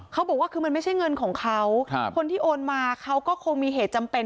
เขาบอกว่าคือมันไม่ใช่เงินของเขาคนที่โอนมาเขาก็คงมีเหตุจำเป็น